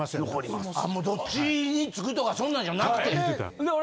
もうどっちにつくとかそんなんじゃなくて。